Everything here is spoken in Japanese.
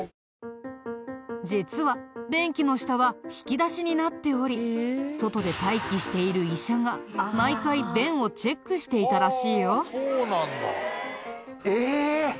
実は便器の下は引き出しになっており外で待機している医者が毎回便をチェックしていたらしいよ。